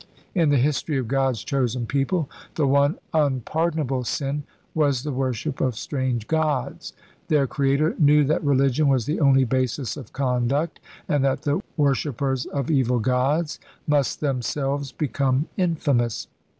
In the history of God's chosen people, the one unpardonable sin was the worship of strange gods. Their Creator knew that religion was the only basis of conduct, and that the worshippers of evil gods must themselves become infamous.